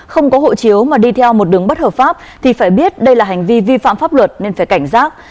không có hộ chiếu mà đi theo một đường bất hợp pháp thì phải biết đây là hành vi vi phạm pháp luật nên phải cảnh giác